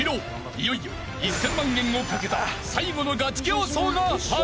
［いよいよ１，０００万円を懸けた最後のガチ競争が始まる］